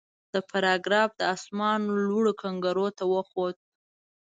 د فرار ګراف د اسمان لوړو کنګرو ته وخوت.